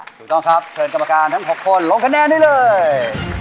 ถูกต้องครับเชิญกรรมการทั้ง๖คนลงคะแนนได้เลย